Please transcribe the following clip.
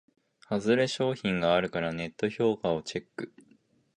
ハズレ商品があるからネット評価をチェック